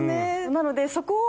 なのでそこを。